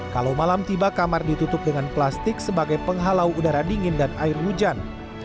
kalau malam tiba kamar ditutup dengan plastik sebagai penghalau udara dingin dan air hujan